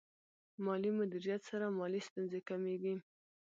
مالي مدیریت سره مالي ستونزې کمېږي.